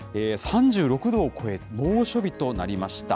３６度を超え、猛暑日となりました。